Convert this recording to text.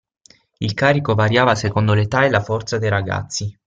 Il carico variava secondo l'età e la forza dei ragazzi.